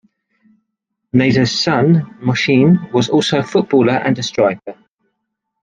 Nader's son, Mohcine, was also a footballer and a striker.